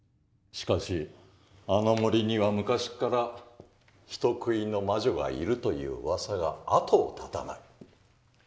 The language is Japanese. しかしあの森には昔から人食いの魔女がいるといううわさが後を絶たない。